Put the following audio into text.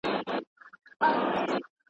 په تعظيم ورته قاضي او وزيران سول.